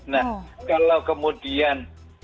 nah kalau kemudian